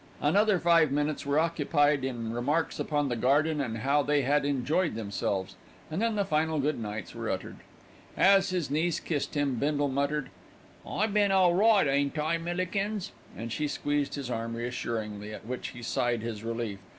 Another five minutes were occupied in remarks upon the garden and how they had enjoyed themselves and then the final goodnights were uttered. As his niece kissed him, Bindle muttered, "I been all right, ain't I, Millikins?" and she squeezed his arm reassuringly, at which he sighed his relief.